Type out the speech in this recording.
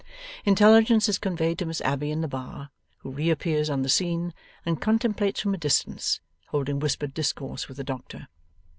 Intelligence is conveyed to Miss Abbey in the bar, who reappears on the scene, and contemplates from a distance, holding whispered discourse with the doctor.